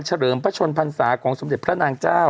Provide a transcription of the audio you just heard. เลิมพระชนพรรษาของสมเด็จพระนางเจ้า